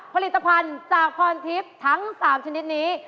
ผลิตภัณฑ์จากพรทิพย์ทั้ง๓ชนิดนี้